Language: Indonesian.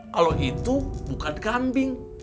kalau itu bukan kambing